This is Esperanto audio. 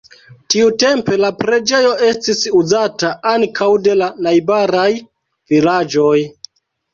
Tiutempe la preĝejo estis uzata ankaŭ de la najbaraj vilaĝoj.